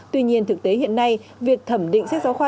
tuy nhiên thực tế hiện nay việc thẩm định sách giáo khoa